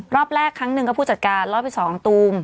รอบแรกครั้งหนึ่งก็ผู้จัดการรอบที่๒ตูม